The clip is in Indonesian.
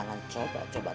enggak mau lagi bicara